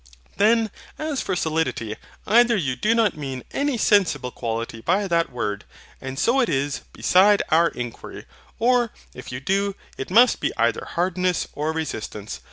Then as for SOLIDITY; either you do not mean any sensible quality by that word, and so it is beside our inquiry: or if you do, it must be either hardness or resistance.